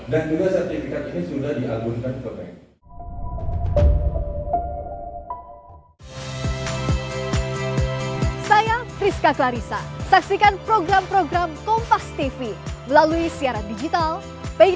dan juga sertifikat ini sudah diagunkan ke bpn